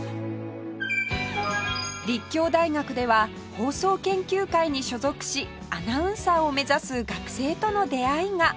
立教大学では放送研究会に所属しアナウンサーを目指す学生との出会いが